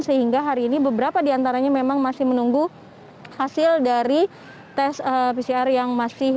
sehingga hari ini beberapa diantaranya memang masih menunggu hasil dari tes pcr yang masih